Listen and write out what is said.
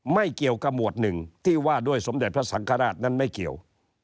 ไม่เกี่ยวกับหมวดหนึ่งที่ว่าด้วยสมเด็จพระสังฆราชนั้นไม่เกี่ยว